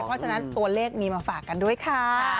เพราะฉะนั้นตัวเลขมีมาฝากกันด้วยค่ะ